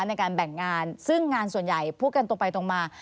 ในการแบ่งงานซึ่งงานส่วนใหญ่พูดกันตรงไปตรงมา